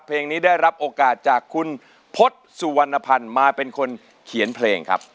เพลงนี้ได้รับโอกาสจากคุณพฤษสุวรรณภัณฑ์มาเป็นคนเขียนเพลงครับ